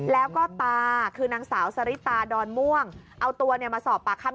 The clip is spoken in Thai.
แล้วก็ตาคือนางสาวสริตาดอนม่วงเอาตัวเนี่ยมาสอบปากคำ